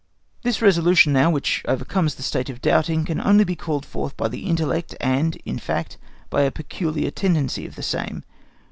This resolution now, which overcomes the state of doubting, can only be called forth by the intellect, and, in fact, by a peculiar tendency of the same.